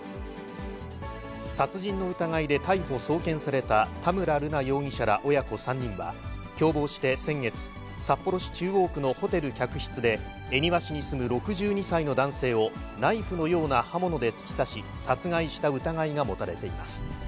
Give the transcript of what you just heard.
殺人の疑いで逮捕・送検された田村瑠奈容疑者ら親子３人は、共謀して先月、札幌市中央区のホテル客室で、恵庭市に住む６２歳の男性をナイフのような刃物で突き刺し、殺害した疑いが持たれています。